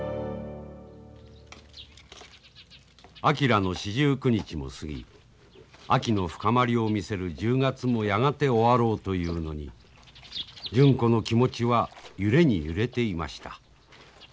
昭の四十九日も過ぎ秋の深まりを見せる１０月もやがて終わろうというのに純子の気持ちは揺れに揺れていました。